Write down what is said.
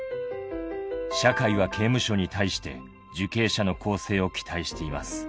社会は刑務所に対して、受刑者の更生を期待しています。